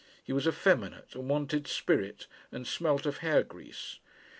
He was effeminate, and wanted spirit, and smelt of hair grease.